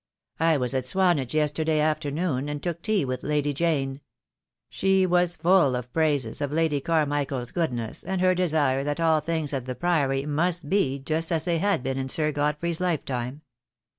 "I was at Swanage yesterday afternoon, and took tea with Lady Jane. She was full of praises of Lady Carmichael's goodness, and her desire that all things at the Priory might be just as they had been in Sir God frey's lifetime.